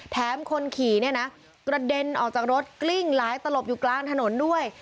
คนขี่เนี่ยนะกระเด็นออกจากรถกลิ้งหลายตลบอยู่กลางถนนด้วย